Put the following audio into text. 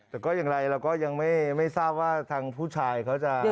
แต่ก็อย่างไรเราก็ยังไม่ทราบว่าทางผู้ชายเขาจะ